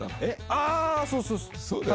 あー、そうそう。